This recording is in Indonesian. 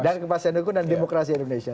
dan kepastian hukum dan demokrasi indonesia